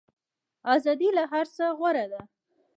ازادي له هر څه غوره ده.